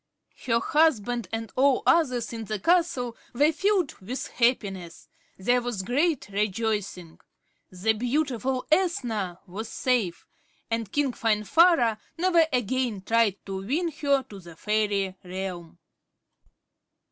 Her husband and all others in the castle were filled with happiness. There was great rejoicing. The beautiful Ethna was safe, and King Finvarra never again tried to win her to the fairy realm.